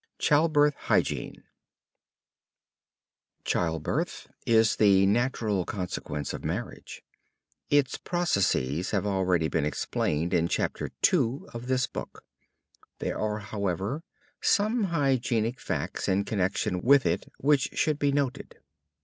CHILDBIRTH HYGIENE Childbirth is the natural consequence of marriage. Its processes have already been explained in Chapter II of this book. There are, however, some hygienic facts in connection with it which should be noted.